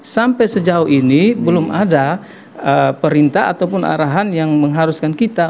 sampai sejauh ini belum ada perintah ataupun arahan yang mengharuskan kita